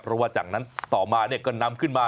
เพราะว่าจากนั้นต่อมาก็นำขึ้นมา